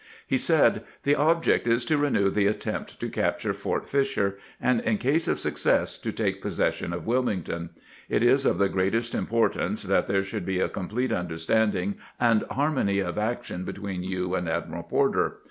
He said :" The object is to renew the attempt to capture Fort Fisher, and in case of success to take possession of Wilmington. It is of the greatest importance that there should be a complete understanding and harmony of action between you and Admiral Porter.